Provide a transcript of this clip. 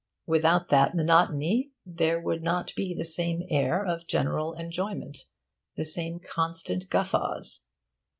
Without that monotony there would not be the same air of general enjoyment, the same constant guffaws.